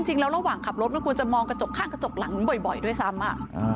จริงแล้วระหว่างขับรถก็ควรจะมองกระจกข้างกระจกหลังมันบ่อยด้วยซ้ำ